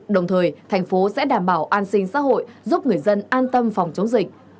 đồng thời thành phố sẽ đảm bảo an sinh xã hội giúp người dân an tâm phòng chống dịch